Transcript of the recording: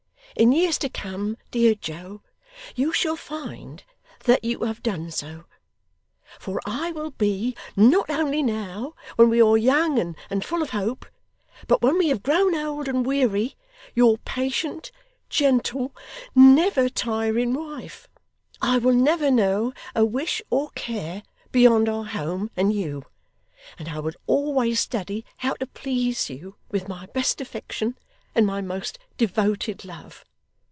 In years to come, dear Joe, you shall find that you have done so; for I will be, not only now, when we are young and full of hope, but when we have grown old and weary, your patient, gentle, never tiring wife. I will never know a wish or care beyond our home and you, and I will always study how to please you with my best affection and my most devoted love.